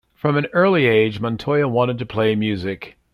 From an early age, Montoya wanted to play music.